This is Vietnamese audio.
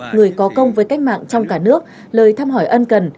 người có công với cách mạng trong cả nước lời thăm hỏi ân cần